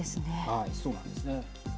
そうなんですね。